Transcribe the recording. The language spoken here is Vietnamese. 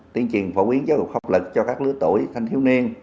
tiến truyền phổ biến giáo dục pháp luật cho các lứa tuổi thanh thiếu niên